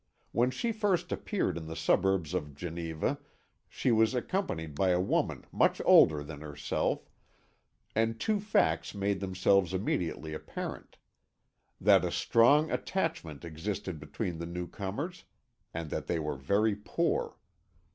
When she first appeared in the suburbs of Geneva she was accompanied by a woman much older than herself, and two facts made themselves immediately apparent. That a strong attachment existed between the new comers, and that they were very poor.